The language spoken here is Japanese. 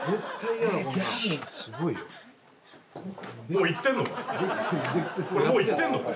もういってんのか？